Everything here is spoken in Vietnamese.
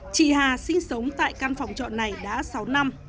chị hà sinh sống tại căn phòng trọ này đã sáu năm